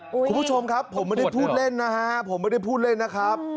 คุณผู้ชมครับผมไม่ได้พูดเล่นนะครับ